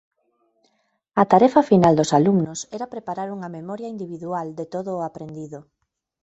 A tarefa final dos alumnos era preparar unha memoria individual de todo o aprendido.